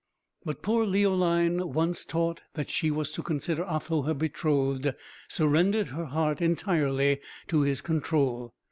But poor Leoline, once taught that she was to consider Otho her betrothed, surrendered her heart entirely to his control.